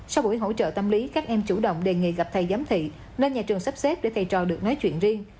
sau buổi hỗ trợ tâm lý các em chủ động đề nghị gặp thầy giám thị nên nhà trường sắp xếp để thầy trò được nói chuyện riêng